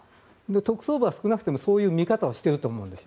特捜部は少なくともその見方をしてると思うんです。